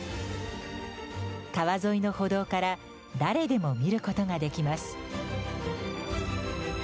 川沿いの歩道から誰でも見ることができます。